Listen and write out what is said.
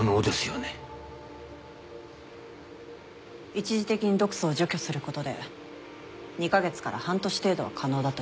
一時的に毒素を除去することで２カ月から半年程度は可能だといわれてますけど。